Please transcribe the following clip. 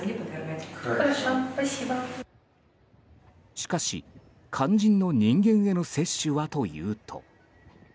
しかし、肝心の人間への接種はというと。